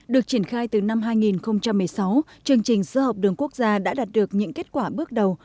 được triển khai từ năm hai nghìn một mươi sáu chương trình sữa học đường quốc gia đã đạt được những kết quả bước đầu